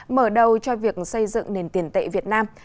mở đầu cho việc xây dựng nền tiền tệ việt nam